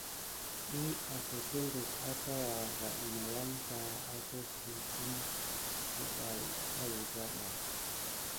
Ɗiy afeteŋgək akawa va in awangsa akoko vigue kum edawuza ba.